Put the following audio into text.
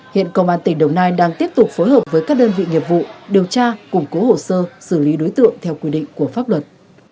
hiện công an tỉnh đồng nai đang tiếp tục phối hợp với các đơn vị nghiệp vụ điều tra củng cố hồ sơ xử lý đối tượng theo quy định của pháp luật